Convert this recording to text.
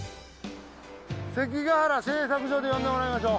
関ケ原製作所で呼んでもらいましょう。